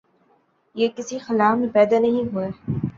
یہ کسی خلا میں پیدا نہیں ہوئے۔